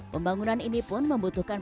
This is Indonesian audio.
pembangunan ini pun membutuhkan